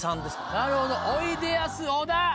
なるほどおいでやす小田。